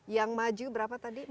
yang maju berapa tadi